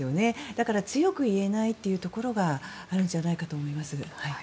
だから、強く言えないところがあるんじゃないかと思います。